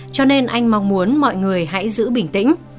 cho nên anh mong muốn mọi người hãy giữ bình tĩnh